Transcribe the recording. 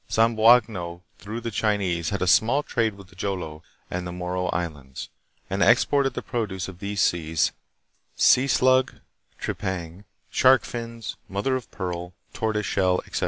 Zamboanga through the Chinese had a small trade with Jolo and the Moro Islands, and exported the produce of these seas sea slug (tripang), shark fins, mother of pearl, tortoise shell, etc.